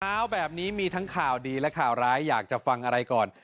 เช้าแบบนี้มีทั้งข่าวดีและข่าวร้ายอยากจะฟังอะไรก่อน